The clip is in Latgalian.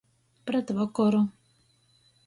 Pret vokoru.